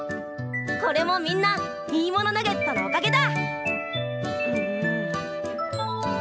これもみんないいものナゲットのおかげだ！